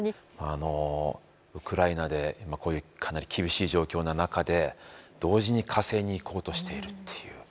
あのウクライナで今こういうかなり厳しい状況の中で同時に火星に行こうとしているっていう。